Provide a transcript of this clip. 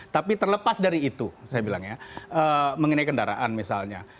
tapi terlepas dari itu saya bilang ya mengenai kendaraan misalnya